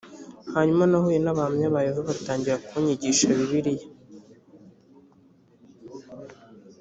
hanyuma nahuye n abahamya ba yehova batangira kunyigisha bibiliya